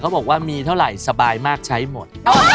บอกว่ามีเท่าไหร่สบายมากใช้หมด